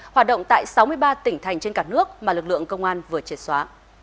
hoạt động tại sáu mươi ba tỉnh thành trên cả nước mà lực lượng công an vừa triệt xóa